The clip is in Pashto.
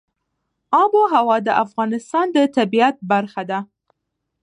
آب وهوا د افغانستان د طبیعت برخه ده.